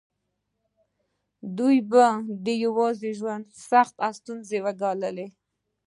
دوی به د یوازې ژوند سختې او ستونزې ګاللې.